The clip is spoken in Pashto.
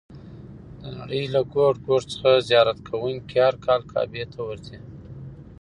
د نړۍ له ګوټ ګوټ څخه زیارت کوونکي هر کال کعبې ته ورځي.